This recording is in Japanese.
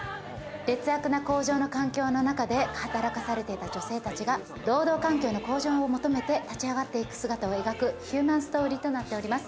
劣悪な工場の環境の中で働かされていた女性たちが労働環境の向上を求めて立ち上がっていく姿を描くヒューマンストーリーとなっております。